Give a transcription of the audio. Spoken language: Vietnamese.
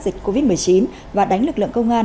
dịch covid một mươi chín và đánh lực lượng công an